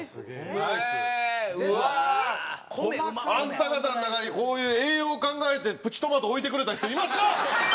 へえうわあ！あんた方の中にこういう栄養を考えてプチトマトを置いてくれた人いますか！？